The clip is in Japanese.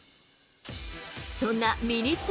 そんなミニッツ